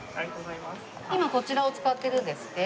今こちらを使ってるんですって。